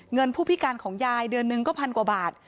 ผู้พิการของยายเดือนหนึ่งก็พันกว่าบาท